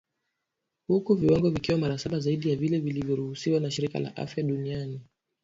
huku viwango vikiwa mara saba zaidi ya vile vinavyoruhusiwa na shirika la afya duniani